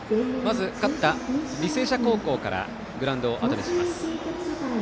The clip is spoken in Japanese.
勝った、履正社高校からグラウンドをあとにします。